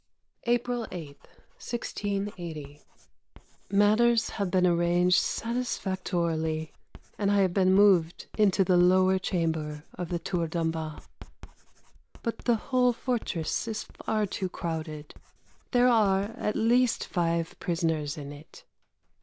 April 8, 1680. Matters have been arranged satisfactorily, and I have been moved into the lower chamber of the Tour d'en bas. But the whole fortress is far too crowded. There are at least five prisoners in it.